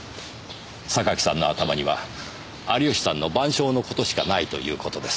榊さんの頭には有吉さんの『晩鐘』のことしかないということです。